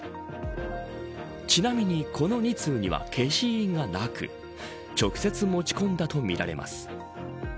ちなみに、この２通には消印がなく直接持ち込んだとみられます。